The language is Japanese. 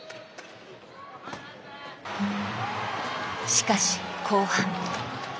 しかし後半。